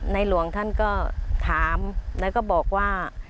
ในหลวงท่านก็ถามนะบอกว่า